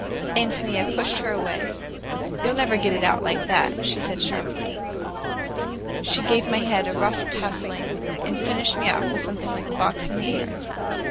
Ántonia pushed her away. "You'll never get it out like that," she said sharply. She gave my head a rough touzling and finished me off with something like a box on the ear.